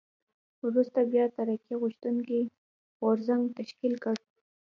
وروسته بیا ترقي غوښتونکی غورځنګ تشکیل کړ.